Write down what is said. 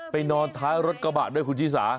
นอนท้ายรถกระบะด้วยคุณชิสา